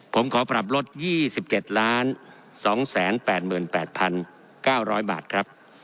ผมขอปรับลด๒๗๒๘๘๙๐๐บาทครับ